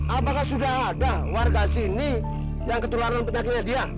apakah sudah ada warga sini yang ketularan penyakitnya dia